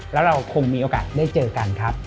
แล้วเราคงมีโอกาสได้เจอกันครับ